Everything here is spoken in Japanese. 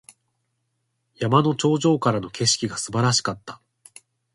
山の頂上からの景色が素晴らしかった。